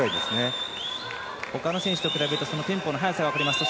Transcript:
ほかの選手と比べるとテンポの速さが分かります。